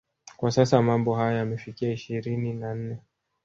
Kwa sasa mambo hayo yamefikia ishirini na nne